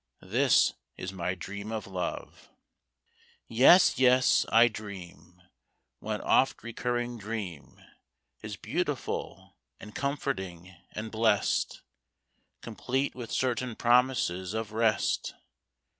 This is my dream of Love. Yes, yes, I dream. One oft recurring dream, Is beautiful and comforting and blest. Complete with certain promises of rest.